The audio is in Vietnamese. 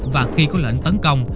và khi có lệnh tấn công